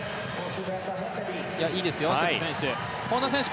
いいですよ、瀬戸選手。